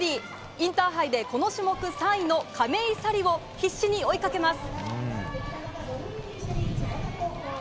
インターハイでこの種目、３位の亀井咲里を必死に追いかけます。